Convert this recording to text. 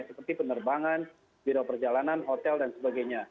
seperti penerbangan biro perjalanan hotel dan sebagainya